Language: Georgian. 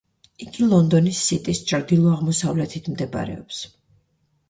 იგი ლონდონის სიტის ჩრდილოაღმოსავლეთით მდებარეობს.